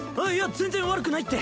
全然悪くないって。